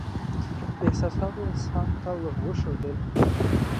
احساساتو انسان ته ور وښودل.